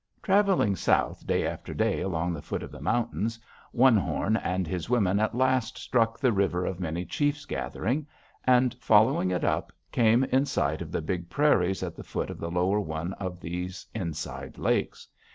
"Traveling south day after day along the foot of the mountains, One Horn and his women at last struck the River of Many Chiefs Gathering, and, following it up, came in sight of the big prairies at the foot of the lower one of these Inside Lakes.